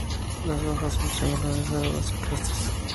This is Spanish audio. Las hojas son triangulares, serradas y opuestas.